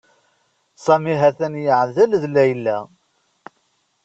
Sami ha-t-an yeɛdel d Layla.